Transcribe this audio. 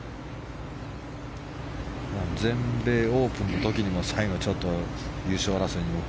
全米オープンの時にも最後、ちょっと優勝争いにも